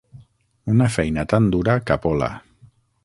Una feina tan dura capola.